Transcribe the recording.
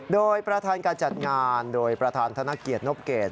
โดยประธานการจัดงานโดยประธานธนเกียรตินบเกต